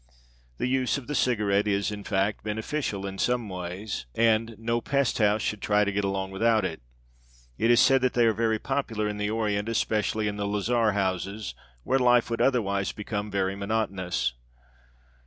The use of the cigarette is, in fact, beneficial in in some ways, and no pest house should try to get along without it. It is said that they are very popular in the orient, especially in the lazar houses, where life would otherwise become very monotonous.